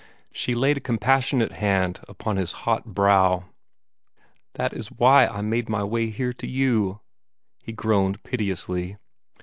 She laid a compassionate hand upon his hot brow. "That is why I made my way here to you," he groaned piteously.